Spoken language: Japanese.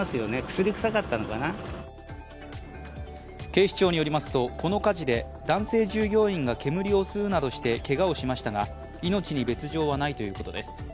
警視庁によりますとこの火事で男性従業員が煙を吸うなどしてけがをしましたが命に別状はないということです。